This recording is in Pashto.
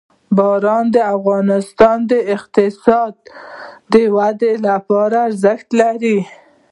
باران د افغانستان د اقتصادي ودې لپاره ارزښت لري.